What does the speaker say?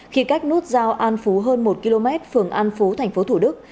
khi cách nút giao an phú hơn một km phường an phú tp thủ đức